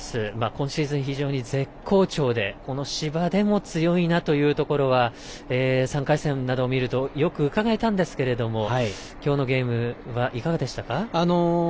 今シーズン、非常に絶好調でこの芝でも強いなというところは３回戦などを見るとよくうかがえたんですけどもきょうのゲームはいかがでしたか？